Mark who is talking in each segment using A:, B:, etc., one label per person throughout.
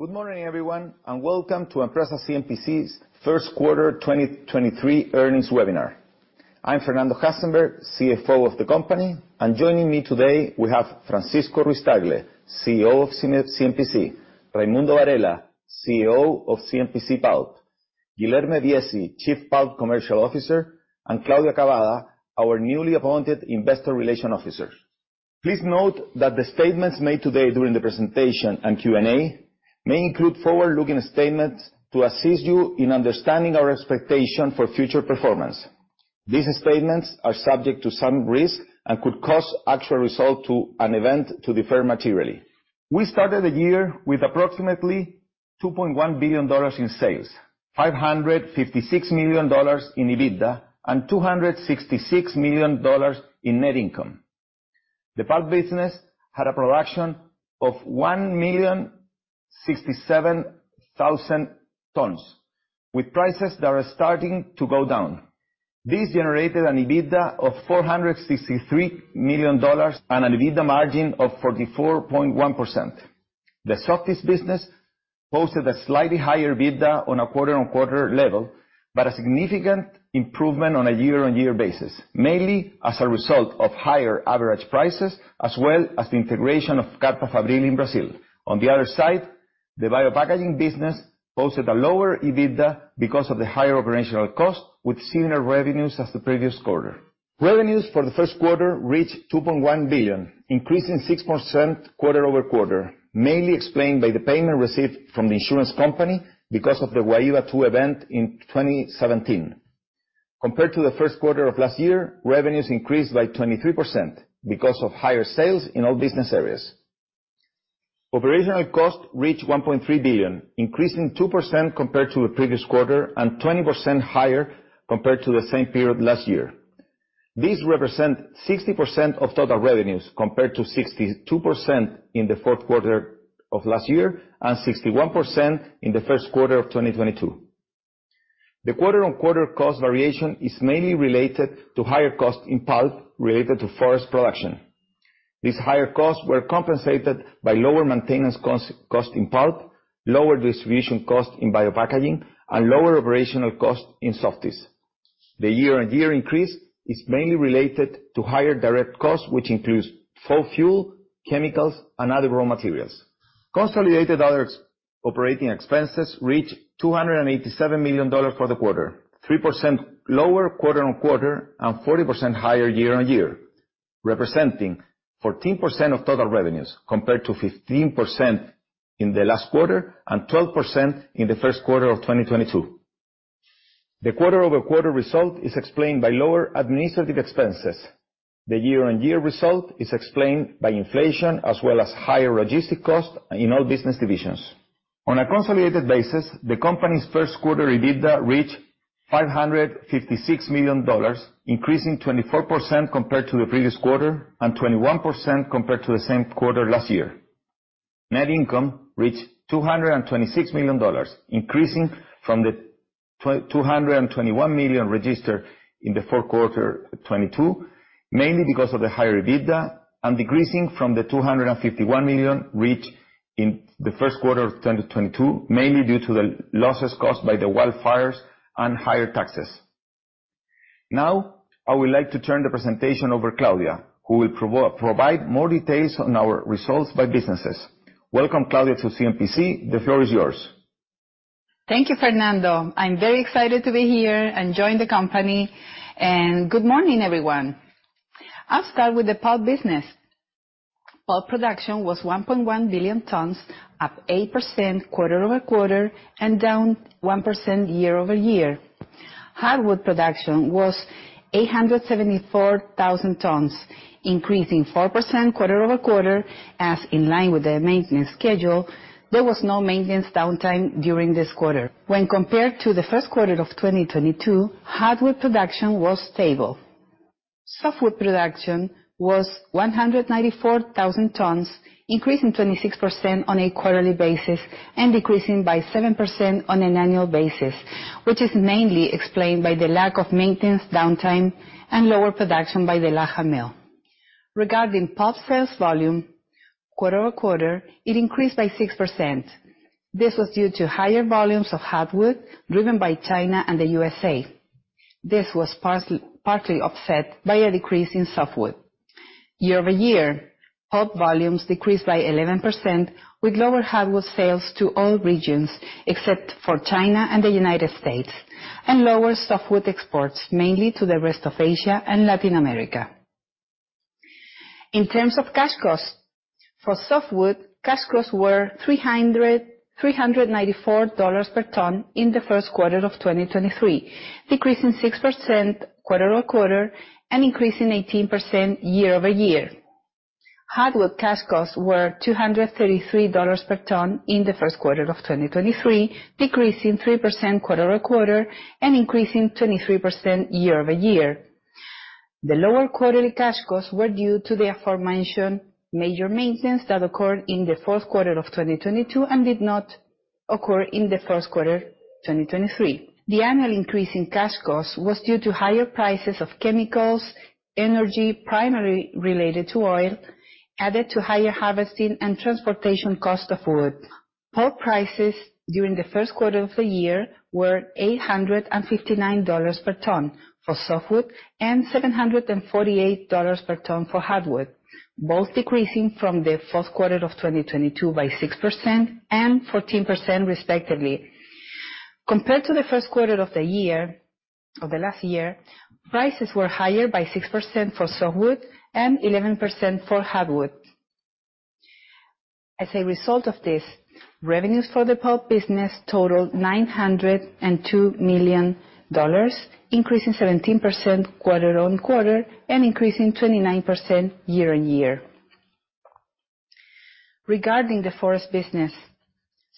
A: Good morning, everyone, and welcome to Empresas CMPC's First Quarter 2023 Earnings Webinar. I'm Fernando Hasenberg, CFO of the company, and joining me today we have Francisco Ruiz-Tagle, CEO of CMPC, Raimundo Varela, CEO of CMPC Pulp, Guilherme Viesi, Chief Pulp Commercial Officer, and Claudia Cavada, our newly appointed Investor Relations Officer. Please note that the statements made today during the presentation and Q&A may include forward-looking statements to assist you in understanding our expectation for future performance. These statements are subject to some risk and could cause actual result to an event to defer materially. We started the year with approximately $2.1 billion in sales, $556 million in EBITDA, and $266 million in net income. The pulp business had a production of 1,067,000 tons, with prices that are starting to go down. This generated an EBITDA of $463 million and an EBITDA margin of 44.1%. The Softys business posted a slightly higher EBITDA on a quarter-on-quarter level, but a significant improvement on a year-on-year basis, mainly as a result of higher average prices as well as the integration of Carta Fabril in Brazil. On the other side, the Biopackaging business posted a lower EBITDA because of the higher operational cost with similar revenues as the previous quarter. Revenues for the first quarter reached $2.1 billion, increasing 6% quarter-over-quarter, mainly explained by the payment received from the insurance company because of the Guaíba II event in 2017. Compared to the first quarter of last year, revenues increased by 23% because of higher sales in all business areas. Operational costs reached $1.3 billion, increasing 2% compared to the previous quarter and 20% higher compared to the same period last year. These represent 60% of total revenues, compared to 62% in the fourth quarter of last year and 61% in the first quarter of 2022. The quarter-on-quarter cost variation is mainly related to higher cost in pulp related to forest production. These higher costs were compensated by lower maintenance cost in pulp, lower distribution cost in CMPC Biopackaging, and lower operational cost in Softys. The year-on-year increase is mainly related to higher direct costs, which includes fuel, chemicals, and other raw materials. Consolidated other operating expenses reached $287 million for the quarter. 3% lower quarter-over-quarter and 40% higher year-on-year, representing 14% of total revenues, compared to 15% in the last quarter and 12% in the first quarter of 2022. The quarter-over-quarter result is explained by lower administrative expenses. The year-on-year result is explained by inflation as well as higher logistic cost in all business divisions. On a consolidated basis, the company's first quarter EBITDA reached $556 million, increasing 24% compared to the previous quarter and 21% compared to the same quarter last year. Net income reached $226 million, increasing from the $221 million registered in the fourth quarter of 2022, mainly because of the higher EBITDA and decreasing from the $251 million reached in the first quarter of 2022, mainly due to the losses caused by the wildfires and higher taxes. I would like to turn the presentation over to Claudia, who will provide more details on our results by businesses. Welcome, Claudia, to CMPC. The floor is yours.
B: Thank you, Fernando. I'm very excited to be here and join the company. Good morning, everyone. I'll start with the pulp business. Pulp production was 1.1 billion tons, up 8% quarter-over-quarter and down 1% year-over-year. Hardwood production was 874,000 tons, increasing 4% quarter-over-quarter, as in line with the maintenance schedule, there was no maintenance downtime during this quarter. When compared to the first quarter of 2022, hardwood production was stable. Softwood production was 194,000 tons, increasing 26% on a quarterly basis and decreasing by 7% on an annual basis, which is mainly explained by the lack of maintenance downtime and lower production by the Laja mill. Regarding pulp sales volume, quarter-over-quarter, it increased by 6%. This was due to higher volumes of hardwood driven by China and the USA. This was partly offset by a decrease in softwood. Year-over-year, pulp volumes decreased by 11% with lower hardwood sales to all regions except for China and the United States, and lower softwood exports, mainly to the rest of Asia and Latin America. In terms of cash costs, for softwood, cash costs were $394 per ton in the first quarter of 2023, decreasing 6% quarter-over-quarter and increasing 18% year-over-year. Hardwood cash costs were $233 per ton in the first quarter of 2023, decreasing 3% quarter-over-quarter and increasing 23% year-over-year. The lower quarterly cash costs were due to the aforementioned major maintenance that occurred in the fourth quarter of 2022 and did not occur in the first quarter, 2023. The annual increase in cash cost was due to higher prices of chemicals, energy primarily related to oil, added to higher harvesting and transportation cost of wood. Pulp prices during the first quarter of the year were $859 per ton for softwood, and $748 per ton for hardwood, both decreasing from the fourth quarter of 2022 by 6% and 14% respectively. Compared to the first quarter of the year of the last year, prices were higher by 6% for softwood and 11% for hardwood. As a result of this, revenues for the pulp business totaled $902 million, increasing 17% quarter-over-quarter, and increasing 29% year-over-year. Regarding the forest business,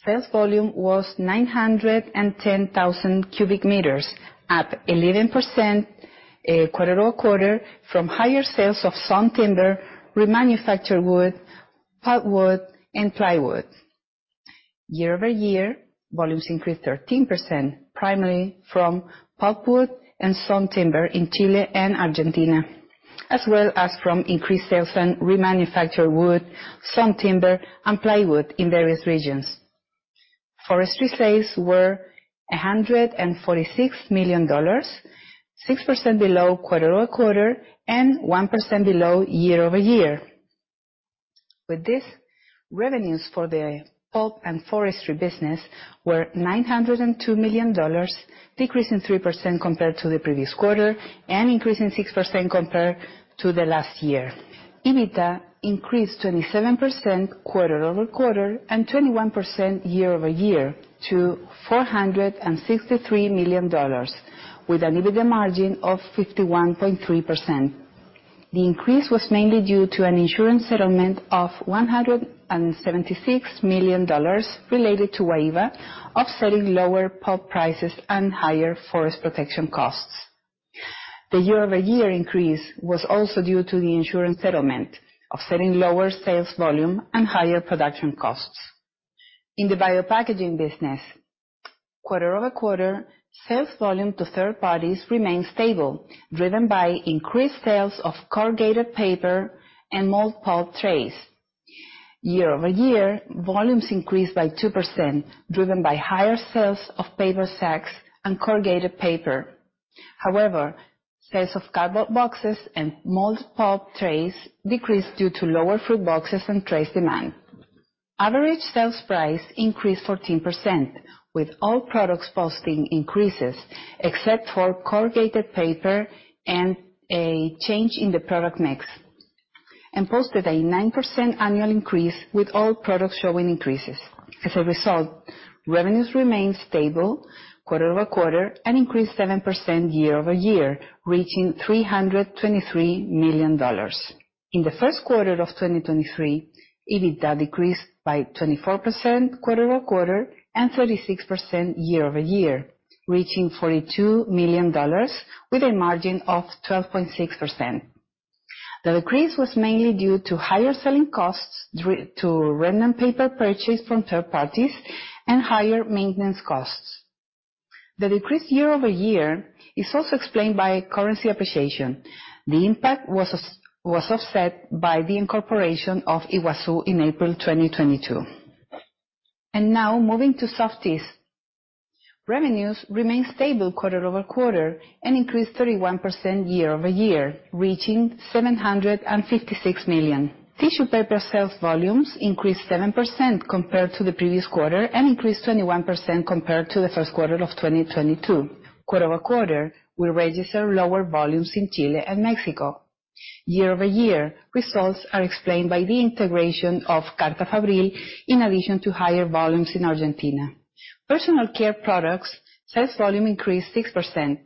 B: sales volume was 910,000 cubic meters, up 11% quarter-over-quarter from higher sales of sawn timber, remanufactured wood, pulpwood, and plywood. Year-over-year, volumes increased 13%, primarily from pulpwood and sawn timber in Chile and Argentina, as well as from increased sales and remanufactured wood, sawn timber, and plywood in various regions. Forestry sales were $146 million, 6% below quarter-over-quarter, and 1% below year-over-year. With this, revenues for the pulp and forestry business were $902 million, decreasing 3% compared to the previous quarter, and increasing 6% compared to the last year. EBITDA increased 27% quarter-over-quarter, and 21% year-over-year to $463 million with an EBITDA margin of 51.3%. The increase was mainly due to an insurance settlement of $176 million related to Guaíba, offsetting lower pulp prices and higher forest protection costs. The year-over-year increase was also due to the insurance settlement offsetting lower sales volume and higher production costs. In the Biopackaging business, quarter-over-quarter, sales volume to third parties remained stable, driven by increased sales of corrugated paper and mold pulp trays. Year-over-year, volumes increased by 2%, driven by higher sales of paper sacks and corrugated paper. Sales of cardboard boxes and mold pulp trays decreased due to lower fruit boxes and trays demand. Average sales price increased 14%, with all products posting increases, except for corrugated paper and a change in the product mix. Posted a 9% annual increase with all products showing increases. As a result, revenues remained stable quarter-over-quarter and increased 7% year-over-year, reaching $323 million. In the first quarter of 2023, EBITDA decreased by 24% quarter-over-quarter and 36% year-over-year, reaching $42 million with a margin of 12.6%. The decrease was mainly due to higher selling costs to random paper purchase from third parties and higher maintenance costs. The decrease year-over-year is also explained by currency appreciation. The impact was offset by the incorporation of Iguaçu in April 2022. Now moving to Softys. Revenues remained stable quarter-over-quarter and increased 31% year-over-year, reaching $756 million. Tissue paper sales volumes increased 7% compared to the previous quarter, and increased 21% compared to the first quarter of 2022. Quarter-over-quarter, we register lower volumes in Chile and Mexico. Year-over-year, results are explained by the integration of Carta Fabril in addition to higher volumes in Argentina. Personal care products sales volume increased 6%,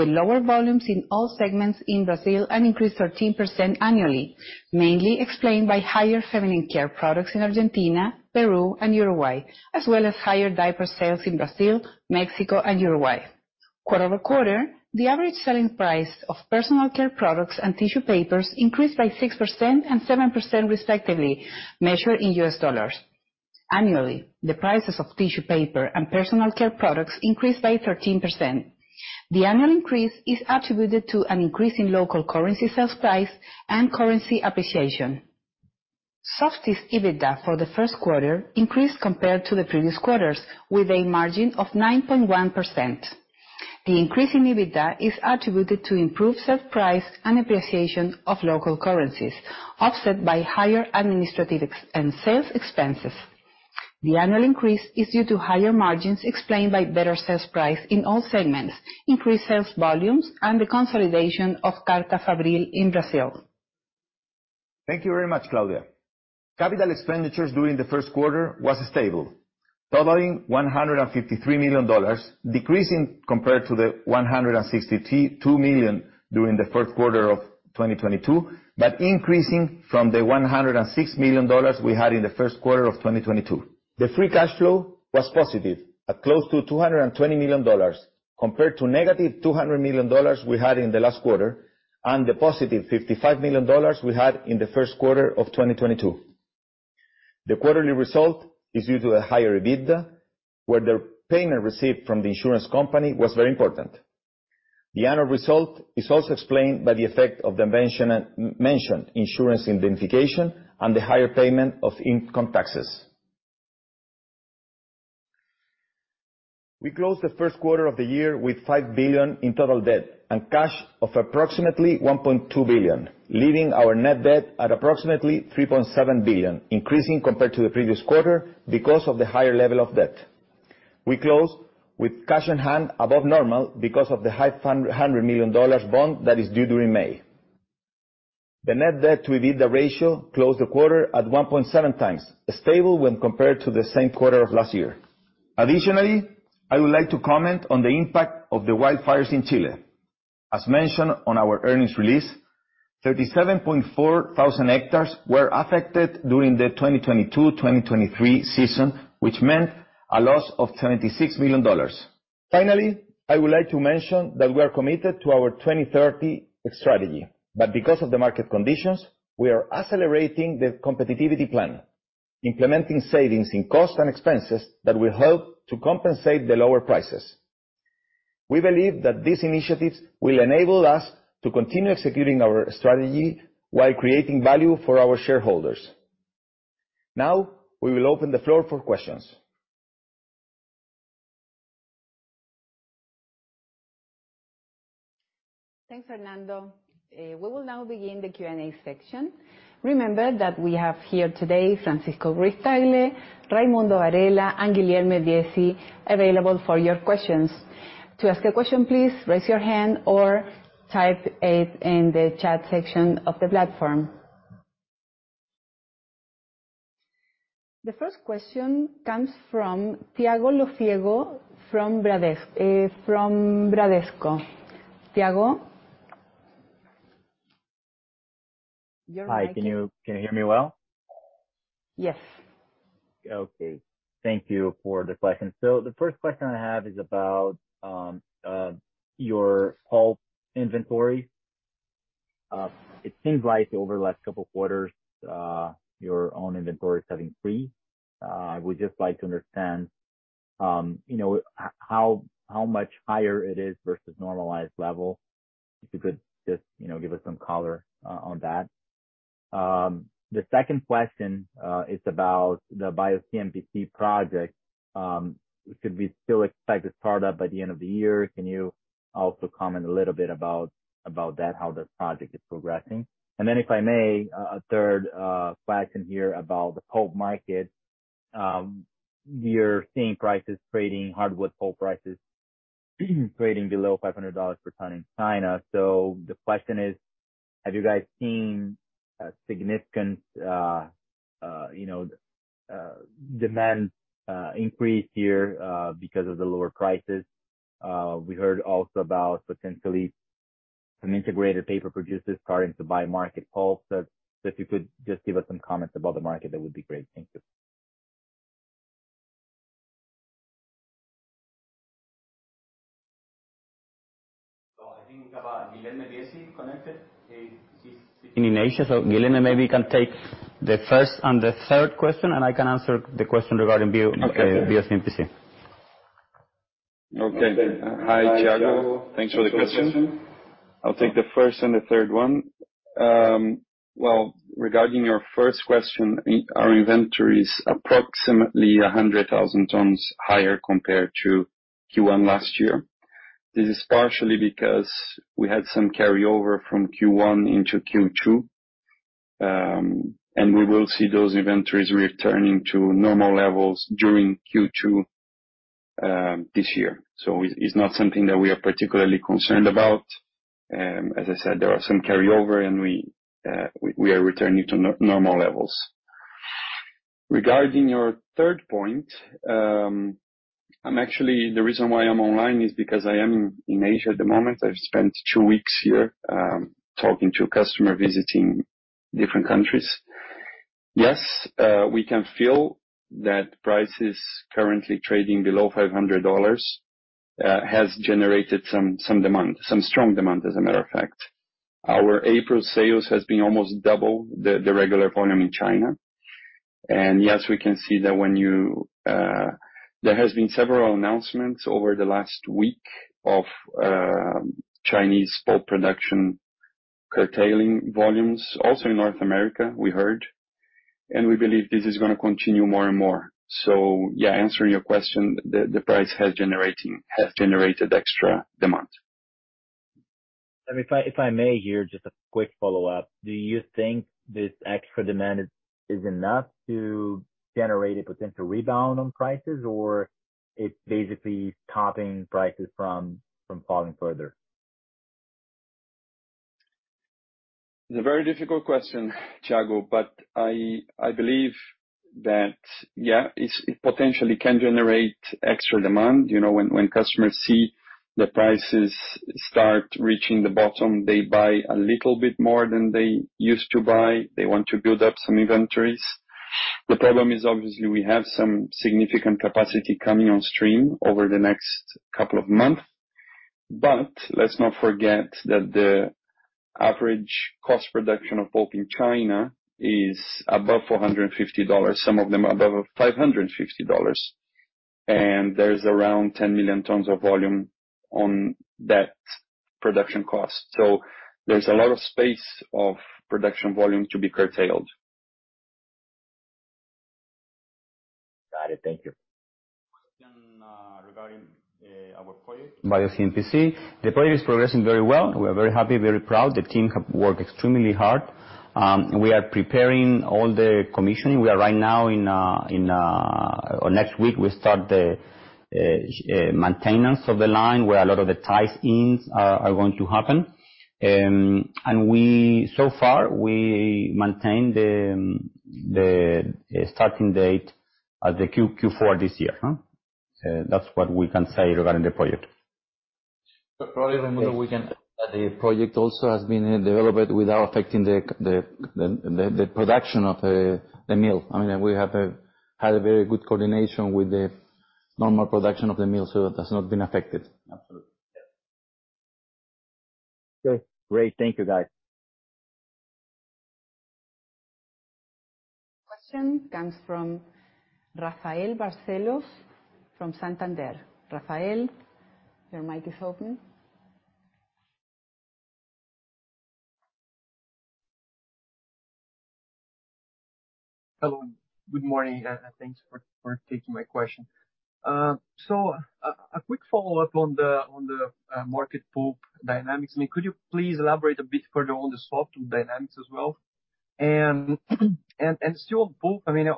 B: with lower volumes in all segments in Brazil and increased 13% annually, mainly explained by higher feminine care products in Argentina, Peru, and Uruguay, as well as higher diaper sales in Brazil, Mexico, and Uruguay. Quarter-over-quarter, the average selling price of personal care products and tissue papers increased by 6% and 7% respectively, measured in US dollars. Annually, the prices of tissue paper and personal care products increased by 13%. The annual increase is attributed to an increase in local currency sales price and currency appreciation. Softys EBITDA for the first quarter increased compared to the previous quarters with a margin of 9.1%. The increase in EBITDA is attributed to improved sales price and appreciation of local currencies, offset by higher administrative and sales expenses. The annual increase is due to higher margins explained by better sales price in all segments, increased sales volumes, and the consolidation of Carta Fabril in Brazil.
A: Thank you very much, Claudia. Capital expenditures during the first quarter was stable, totaling $153 million, decreasing compared to the $162 million during the first quarter of 2022, but increasing from the $106 million we had in the first quarter of 2022. The free cash flow was positive at close to $220 million compared to negative $200 million we had in the last quarter. The positive $55 million we had in the first quarter of 2022. The quarterly result is due to a higher EBITDA, where the payment received from the insurance company was very important. The annual result is also explained by the effect of the mention, mentioned insurance indemnification and the higher payment of income taxes. We closed the first quarter of the year with $5 billion in total debt and cash of approximately $1.2 billion, leaving our net debt at approximately $3.7 billion, increasing compared to the previous quarter because of the higher level of debt. We closed with cash on hand above normal because of the high $100 million bond that is due during May. The net debt to EBITDA ratio closed the quarter at 1.7 times, stable when compared to the same quarter of last year. Additionally, I would like to comment on the impact of the wildfires in Chile. As mentioned on our earnings release, 37.4 thousand hectares were affected during the 2022/2023 season, which meant a loss of $26 million. Finally, I would like to mention that we are committed to our 2030 strategy, but because of the market conditions, we are accelerating the competitiveness plan, implementing savings in costs and expenses that will help to compensate the lower prices. We believe that these initiatives will enable us to continue executing our strategy while creating value for our shareholders. Now, we will open the floor for questions.
B: Thanks, Fernando. We will now begin the Q&A section. Remember that we have here today Francisco Ruiz-Tagle, Raimundo Varela, and Guilherme Viesi available for your questions. To ask a question, please raise your hand or type it in the chat section of the platform. The first question comes from Thiago Lofiego from Bradesco. Thiago? You're unmuted.
C: Hi. Can you hear me well?
B: Yes.
C: Okay. Thank you for the question. The first question I have is about your pulp inventory. It seems like over the last couple of quarters, your own inventory is running free. I would just like to understand, you know, how much higher it is versus normalized level. If you could just, you know, give us some color on that. The second question is about the BioCMPC project. Should we still expect a startup by the end of the year? Can you also comment a little bit about that, how the project is progressing? If I may, a third question here about the pulp market. We're seeing prices trading, hardwood pulp prices trading below $500 per ton in China. The question is: Have you guys seen a significant, you know, demand increase here, because of the lower prices? We heard also about potentially some integrated paper producers starting to buy market pulp. If you could just give us some comments about the market, that would be great. Thank you.
A: I think about Guilherme Viesi connected. He's in Asia, so Guilherme maybe can take the first and the third question, and I can answer the question regarding bio-
C: Okay.
D: Okay. Hi, Thiago Lofiego. Thanks for the question. I'll take the first and the third one. Well, regarding your first question, our inventory is approximately 100,000 tons higher compared to Q1 last year. This is partially because we had some carryover from Q1 into Q2. We will see those inventories returning to normal levels during Q2 this year. It's not something that we are particularly concerned about. As I said, there are some carryover and we are returning to normal levels. Regarding your third point, I'm actually the reason why I'm online is because I am in Asia at the moment. I've spent two weeks here, talking to a customer, visiting different countries. Yes, we can feel that prices currently trading below $500 has generated some demand, some strong demand, as a matter of fact. Our April sales has been almost double the regular volume in China. Yes, we can see that when you there has been several announcements over the last week of Chinese pulp production curtailing volumes. Also in North America, we heard, and we believe this is gonna continue more and more. Yeah, answering your question, the price has generated extra demand.
C: If I may here, just a quick follow-up. Do you think this extra demand is enough to generate a potential rebound on prices or it's basically topping prices from falling further?
D: It's a very difficult question, Thiago. I believe that, yeah, it potentially can generate extra demand. You know, when customers see the prices start reaching the bottom, they buy a little bit more than they used to buy. They want to build up some inventories. The problem is obviously we have some significant capacity coming on stream over the next couple of months. Let's not forget that the average cost production of pulp in China is above $450, some of them above $550. There is around 10 million tons of volume on that production cost. There's a lot of space of production volume to be curtailed.
E: Got it. Thank you.
F: Regarding our project BioCMPC, the project is progressing very well. We are very happy, very proud. The team have worked extremely hard. We are preparing all the commissioning. We are right now in. Next week, we start the maintenance of the line, where a lot of the tie-ins are going to happen. So far, we maintain the starting date at the Q4 this year, huh? That's what we can say regarding the project.
D: Probably the middle.
F: The project also has been developed without affecting the production of the mill. I mean, we have had a very good coordination with the normal production of the mill. That has not been affected.
D: Absolutely.
G: Okay, great. Thank you, guys.
B: Question comes from Rafael Barcelos from Santander. Rafael, your mic is open.
G: Hello. Good morning, and thanks for taking my question. A quick follow-up on the market pulp dynamics. I mean, could you please elaborate a bit further on the softwood dynamics as well? Still on pulp, I mean,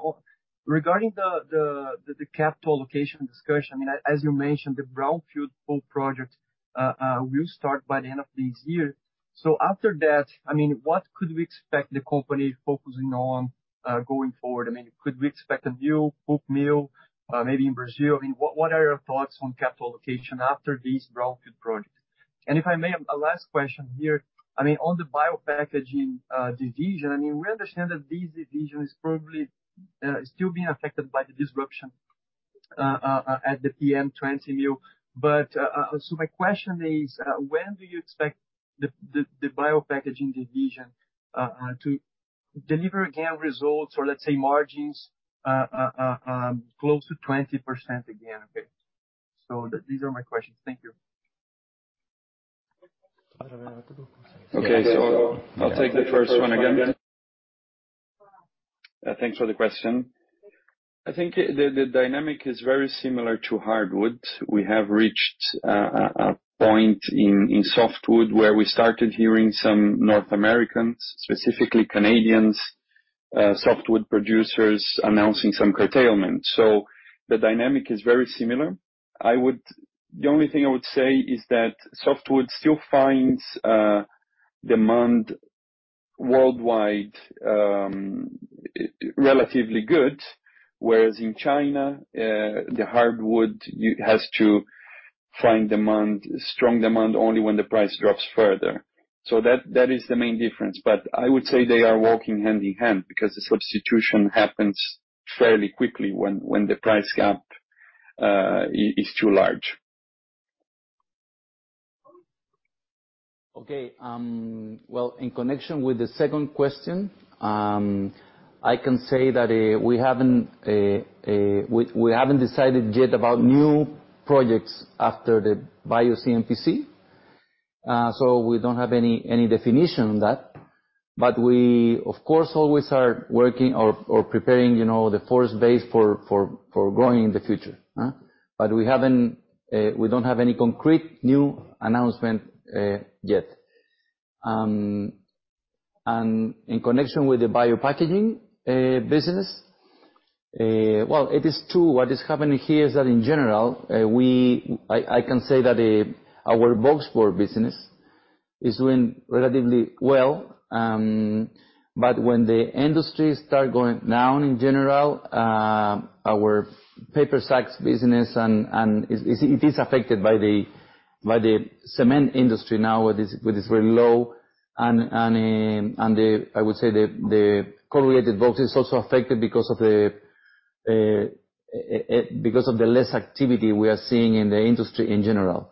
G: regarding the capital allocation discussion, I mean, as you mentioned, the brownfield pulp project will start by the end of this year. After that, I mean, what could we expect the company focusing on going forward? I mean, could we expect a new pulp mill maybe in Brazil? I mean, what are your thoughts on capital allocation after this brownfield project? If I may have a last question here, on the Biopackaging division, we understand that this division is probably still being affected by the disruption at the PM20 mill. My question is, when do you expect the Biopackaging division to deliver again results or let's say margins close to 20% again? Okay. These are my questions. Thank you.
D: Okay. I'll take the first one again. Thanks for the question. I think the dynamic is very similar to hardwood. We have reached a point in softwood where we started hearing some North Americans, specifically Canadians, softwood producers announcing some curtailment. The dynamic is very similar. The only thing I would say is that softwood still finds demand worldwide, relatively good, whereas in China, the hardwood has to find demand, strong demand only when the price drops further. That is the main difference. I would say they are walking hand in hand because the substitution happens fairly quickly when the price gap is too large.
F: Well, in connection with the second question, I can say that we haven't decided yet about new projects after the BioCMPC. We don't have any definition on that. We, of course, always are working or preparing, you know, the force base for growing in the future, huh? We haven't, we don't have any concrete new announcement yet. In connection with the Biopackaging business, well, it is true what is happening here is that in general, I can say that our box board business is doing relatively well. When the industry start going down in general, our paper sacks business and is, it is affected by the cement industry now, which is very low. The, I would say, the correlated box is also affected because of the less activity we are seeing in the industry in general.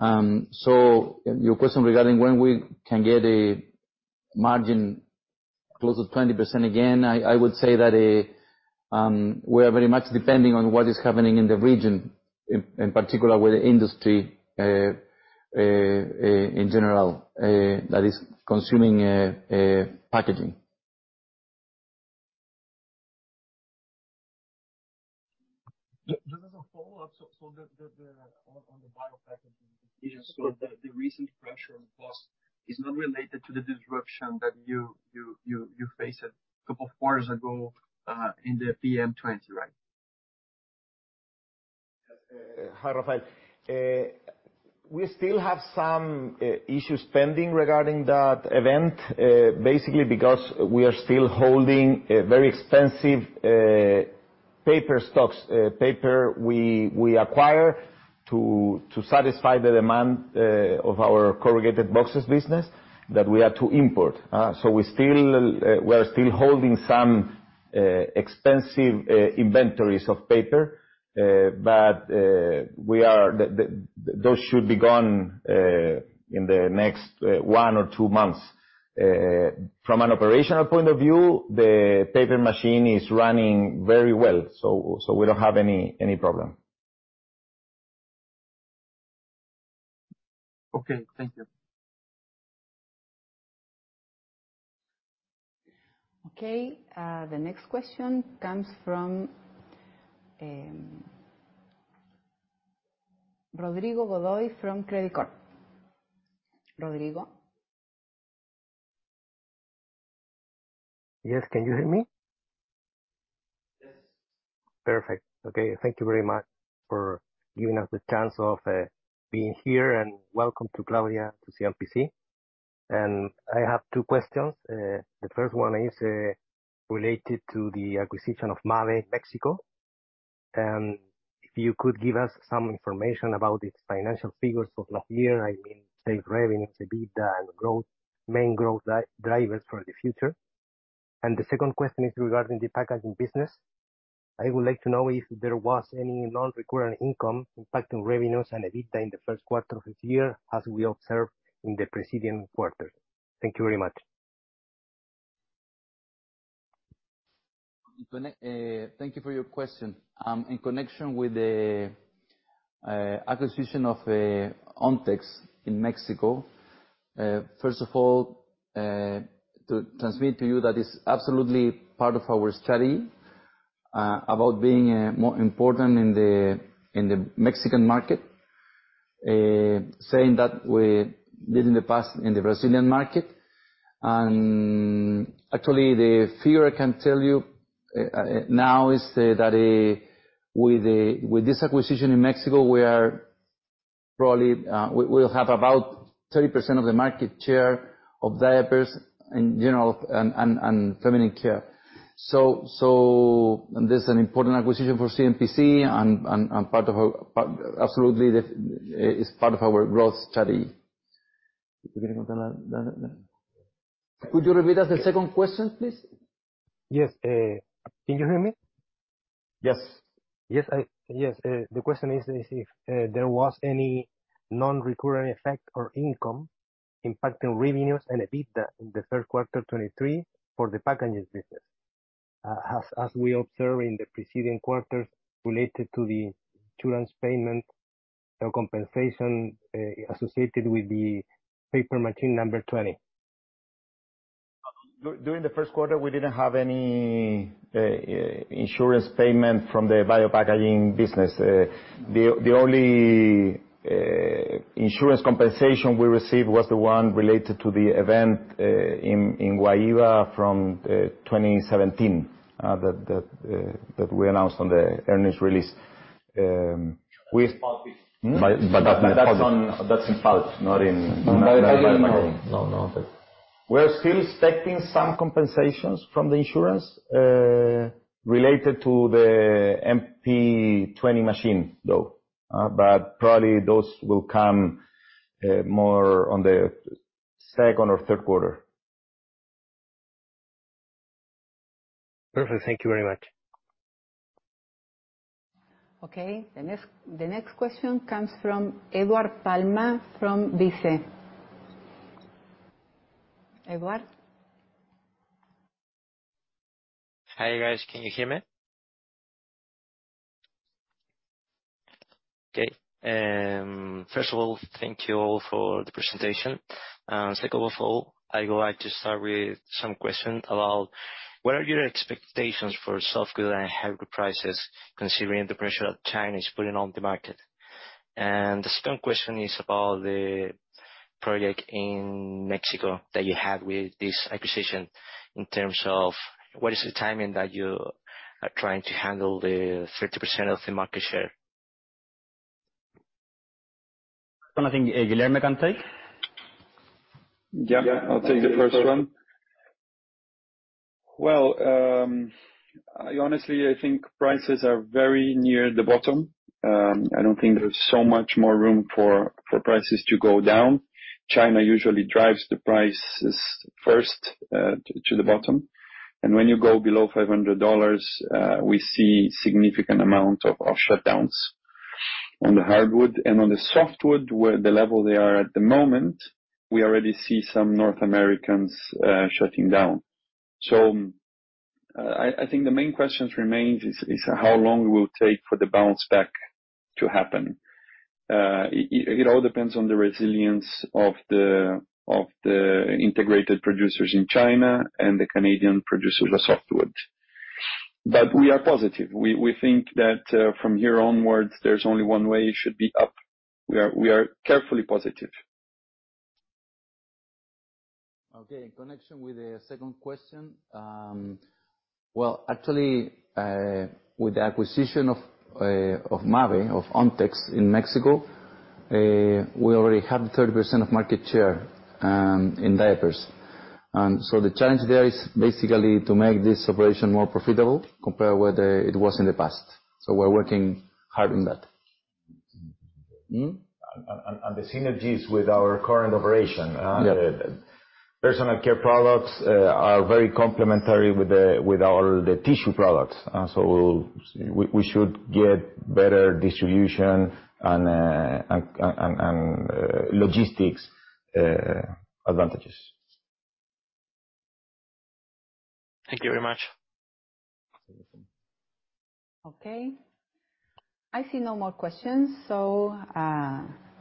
F: Your question regarding when we can get a margin close to 20% again, I would say that, we are very much depending on what is happening in the region, in particular with the industry, in general, that is consuming packaging.
G: Just as a follow-up. On the Biopackaging, the recent pressure on cost is not related to the disruption that you faced a couple of quarters ago in the PM20, right?
F: Hi, Rafael. We still have some issues pending regarding that event, basically because we are still holding a very expensive Paper stocks. Paper we acquire to satisfy the demand of our corrugated boxes business that we have to import. We are still holding some expensive inventories of paper. Those should be gone in the next one or two months. From an operational point of view, the paper machine is running very well. We don't have any problem.
H: Okay, thank you.
B: Okay. The next question comes from, Rodrigo Godoy from Credicorp. Rodrigo?
I: Yes. Can you hear me?
F: Yes.
I: Perfect. Okay. Thank you very much for giving us the chance of being here, welcome to Claudia to CMPC. I have two questions. The first one is related to the acquisition of Mabé, Mexico. If you could give us some information about its financial figures of last year, I mean, say, revenues, EBITDA and growth, main growth drivers for the future. The second question is regarding the packaging business. I would like to know if there was any non-recurring income impacting revenues and EBITDA in the first quarter of this year, as we observed in the preceding quarters. Thank you very much.
F: Thank you for your question. In connection with the acquisition of Ontex in Mexico, first of all, to transmit to you that is absolutely part of our strategy about being more important in the Mexican market. Saying that we did in the past in the Brazilian market. Actually, the figure I can tell you now is that with this acquisition in Mexico, we are probably we'll have about 30% of the market share of diapers in general and feminine care. This is an important acquisition for CMPC and part of our, absolutely, it's part of our growth strategy. Could you repeat us the second question, please?
I: Yes. Can you hear me?
F: Yes.
I: Yes. The question is if there was any non-recurring effect or income impacting revenues and EBITDA in the first quarter 2023 for the packaging business, as we observe in the preceding quarters related to the insurance payment, the compensation associated with the paper machine number 20?
F: During the first quarter, we didn't have any insurance payment from the Biopackaging business. The only insurance compensation we received was the one related to the event in Guaíba from 2017 that we announced on the earnings release.
D: That's in pulp. That's in pulp, not in
F: No, no. We're still expecting some compensations from the insurance related to the MP 20 machine, though. Probably those will come more on the second or third quarter.
I: Perfect. Thank you very much.
B: Okay. The next question comes from Eduardo Palma from BICE. Eduardo?
J: Hi, guys. Can you hear me? Okay. First of all, thank you all for the presentation. Second of all, I would like to start with some question about what are your expectations for softwood and hardwood prices considering the pressure that China is putting on the market? The second question is about the project in Mexico that you had with this acquisition in terms of what is the timing that you are trying to handle the 30% of the market share?
F: I think Guilherme can take.
D: Yeah, I'll take the first one. Well, I honestly, I think prices are very near the bottom. I don't think there's so much more room for prices to go down. China usually drives the prices first to the bottom. When you go below $500, we see significant amount of shutdowns on the hardwood. On the softwood, where the level they are at the moment, we already see some North Americans shutting down. I think the main questions remains is how long it will take for the bounce back to happen. It all depends on the resilience of the integrated producers in China and the Canadian producers of softwood. We are positive. We think that from here onwards, there's only one way it should be up. We are carefully positive.
F: Okay. In connection with the second question, well, actually, with the acquisition of Mabé, of Ontex in Mexico, we already have 30% of market share in diapers. The challenge there is basically to make this operation more profitable compared with it was in the past. We're working hard on that.
D: The synergies with our current operation.
F: Yeah.
D: Personal care products are very complementary with the, with our, the tissue products. We should get better distribution and logistics advantages.
J: Thank you very much.
B: Okay. I see no more questions.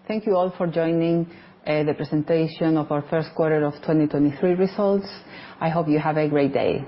B: Thank you all for joining the presentation of our first quarter of 2023 results. I hope you have a great day.